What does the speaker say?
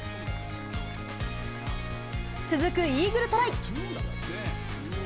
続くイーグルトライ。